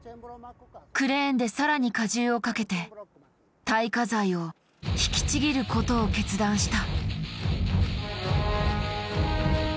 クレーンで更に加重をかけて耐火材を引きちぎることを決断した。